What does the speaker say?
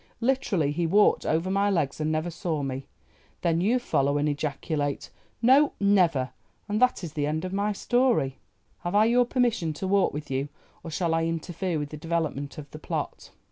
Literally he walked over my legs and never saw me. Then you follow and ejaculate, 'No, never!'—and that is the end of my story. Have I your permission to walk with you, or shall I interfere with the development of the plot?"